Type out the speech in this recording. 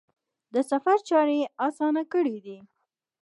د سفر چارې یې اسانه کړي دي.